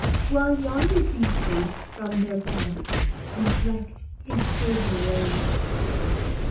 While yonder beeches from their barks Reflect his silver rays.